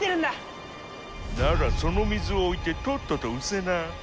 ならその水を置いてとっとと失せな。